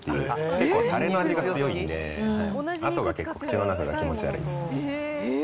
結構たれの味が強いんで、あとが結構、口の中が気持ち悪いです。